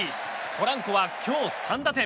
ポランコは今日、３打点。